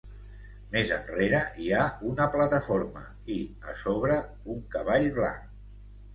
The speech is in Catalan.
Més enrere hi ha una plataforma i, a sobre, un cavall blanc.